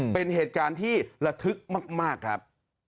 เป็นเหตุการณ์ที่ระทึกมากครับ